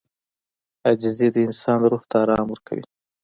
• عاجزي د انسان روح ته آرام ورکوي.